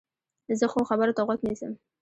زه ښو خبرو ته غوږ نیسم.